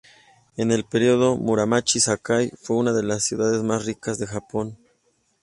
En el Periodo Muromachi Sakai fue una de las ciudades más ricas de Japón.